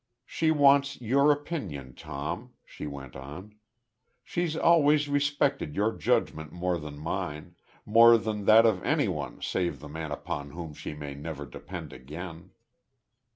"She wants your opinion, Tom," she went on. "She's always respected your judgment more than mine more than that of anyone save the man upon whom she may never depend again."